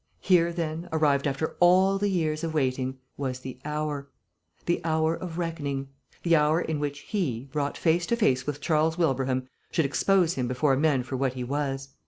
Here, then, arrived after all the years of waiting, was the hour. The hour of reckoning; the hour in which he, brought face to face with Charles Wilbraham, should expose him before men for what he was.